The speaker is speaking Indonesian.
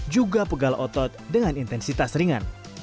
juga pegal otot dengan intensitas ringan